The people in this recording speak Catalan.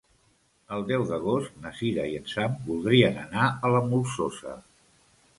El deu d'agost na Cira i en Sam voldrien anar a la Molsosa.